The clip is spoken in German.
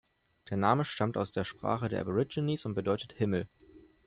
Der Name stammt aus der Sprache der Aborigines und bedeutet „Himmel“.